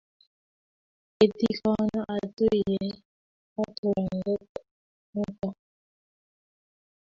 kiitikono atuyiegei ak lang'et nito